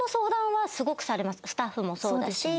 スタッフもそうだし。